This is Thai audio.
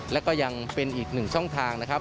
และก็ยังเป็นอีกหนึ่งช่องทางนะครับ